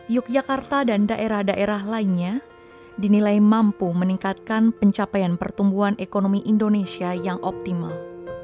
yogyakarta dan daerah daerah lainnya dinilai mampu meningkatkan pencapaian pertumbuhan ekonomi indonesia yang optimal